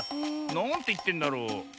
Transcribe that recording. なんていってんだろう？